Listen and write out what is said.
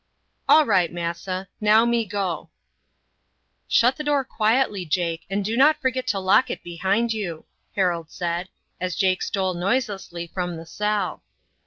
"All right, massa. Now me go." "Shut the door quietly, Jake, and do not forget to lock it behind you," Harold said, as Jake stole noiselessly from the cell.